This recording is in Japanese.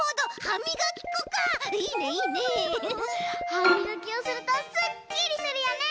はみがきをするとすっきりするよね！